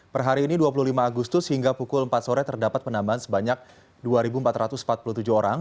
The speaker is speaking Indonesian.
per hari ini dua puluh lima agustus hingga pukul empat sore terdapat penambahan sebanyak dua empat ratus empat puluh tujuh orang